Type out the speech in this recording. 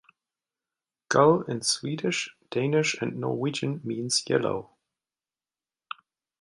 Gul in Swedish, Danish, and Norwegian means "yellow".